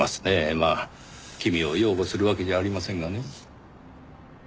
まあ君を擁護するわけじゃありませんがね。